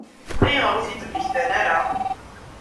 Ayɣer ur t-id-mmektan ara?